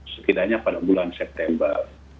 setidaknya pada bulan september